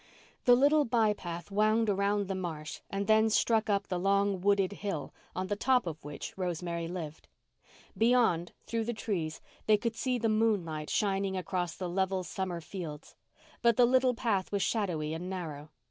The little by path wound around the marsh and then struck up the long wooded hill on the top of which Rosemary lived. Beyond, through the trees, they could see the moonlight shining across the level summer fields. But the little path was shadowy and narrow.